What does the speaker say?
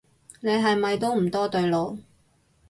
你係咪都唔多對路